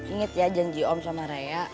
ingat ya janji om sama raya